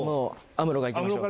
アムロがいきましょう。